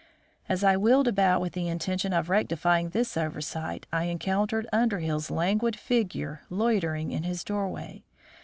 As I wheeled about with the intention of rectifying this oversight, I encountered Underhill's languid figure loitering in his doorway.